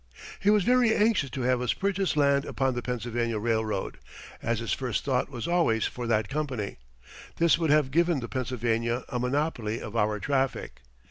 He was very anxious to have us purchase land upon the Pennsylvania Railroad, as his first thought was always for that company. This would have given the Pennsylvania a monopoly of our traffic.